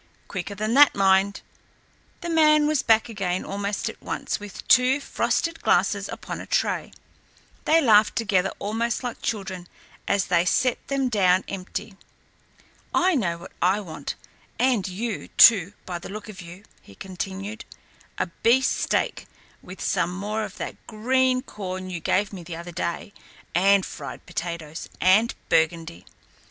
"Quicker than that, mind." The man was back again almost at once with two frosted glasses upon a tray. They laughed together almost like children as they set them down empty. "I know what I want, and you, too, by the look of you," he continued "a beefsteak, with some more of that green corn you gave me the other day, and fried potatoes, and Burgundy.